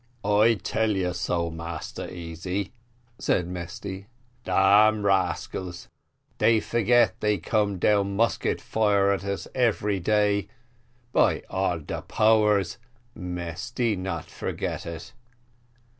"I tell you so, Massa Easy," said Mesty: "damn rascals, they forget they come down fire musket at us every day: by all de powers, Mesty not forget it."